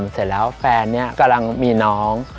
เสร็จแล้วแฟนเนี่ยกำลังมีน้อง